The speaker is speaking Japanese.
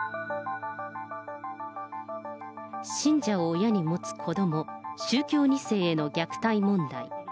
信者を親に持つ子ども、宗教２世への虐待問題。